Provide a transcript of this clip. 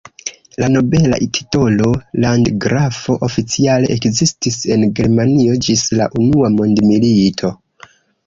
La nobela titolo "landgrafo" oficiale ekzistis en Germanio ĝis la Unua Mondmilito.